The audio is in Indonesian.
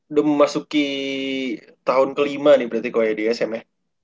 udah memasuki tahun kelima nih berarti kok ya di sm ya